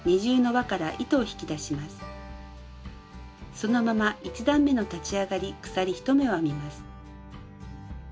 そのまま１段めの立ち上がり鎖１目を編みます。